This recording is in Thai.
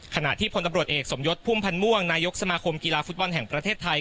ขณะที่พลตำรวจเอกสมยศพุ่มพันธ์ม่วงนายกสมาคมกีฬาฟุตบอลแห่งประเทศไทย